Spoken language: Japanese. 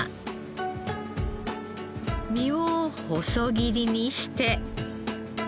身を細切りにして。